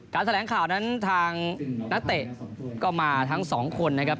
แถลงข่าวนั้นทางนักเตะก็มาทั้งสองคนนะครับ